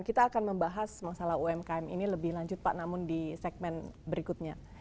kita akan membahas masalah umkm ini lebih lanjut pak namun di segmen berikutnya